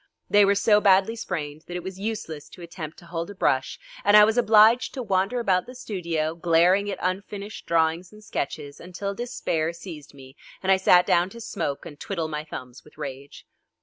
They were so badly sprained that it was useless to attempt to hold a brush, and I was obliged to wander about the studio, glaring at unfinished drawings and sketches, until despair seized me and I sat down to smoke and twiddle my thumbs with rage.